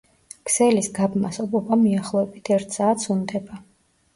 ქსელის გაბმას ობობა მიახლოებით ერთ საათს უნდება.